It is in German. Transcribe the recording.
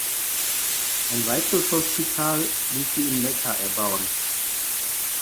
Ein weiteres Hospital ließ sie in Mekka erbauen.